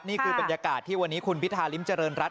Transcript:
นี่คือบรรยากาศที่วันนี้คุณพิธาริมเจริญรัฐ